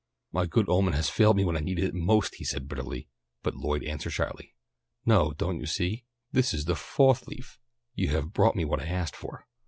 "My good omen has failed me when I needed it most!" he said bitterly, but Lloyd answered shyly, "No, don't you see? This is the fo'th leaf. You have brought me what I asked for."